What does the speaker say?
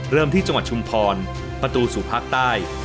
เริ่มที่จังหวัดชุมพรประตูสู่ภาคใต้